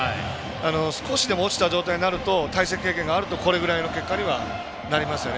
少しでも落ちた状態になると対戦経験があると、これくらいの結果にはなりますよね。